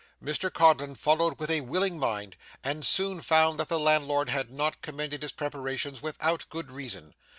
Mr Codlin followed with a willing mind, and soon found that the landlord had not commended his preparations without good reason.